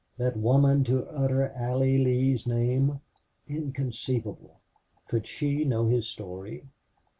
That woman to utter Allie Lee's name! Inconceivable! Could she know his story?